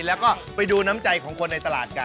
แล้วก็ไปดูน้ำใจของคนในตลาดกัน